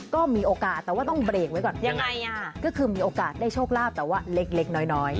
ก็มีโอกาสแต่ว่าต้องเบรกไว้ก่อนยังไงก็คือมีโอกาสได้โชคลาภแต่ว่าเล็กน้อย